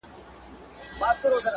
په دښتونو کي چي ګرځې وږی پلی،